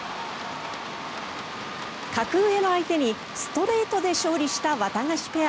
格上の相手にストレートで勝利したワタガシペア。